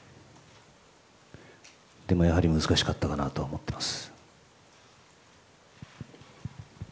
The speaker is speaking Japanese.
でもやはり難しかったかなと思っています。